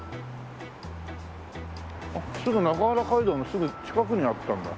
あっ中原街道のすぐ近くにあったんだ。